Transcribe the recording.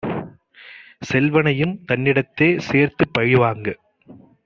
செல்வனையும் தன்னிடத்தே சேர்த்துப் பழிவாங்கக்